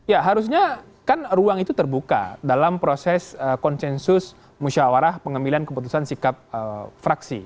ya harusnya kan ruang itu terbuka dalam proses konsensus musyawarah pengambilan keputusan sikap fraksi